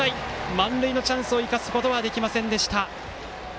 満塁のチャンスを生かすことはできませんでした。